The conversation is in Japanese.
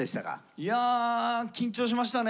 いや緊張しましたね。